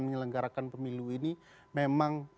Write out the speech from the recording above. mengelenggarakan pemilu ini memang